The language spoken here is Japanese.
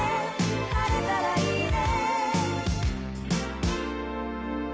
「晴れたらいいね」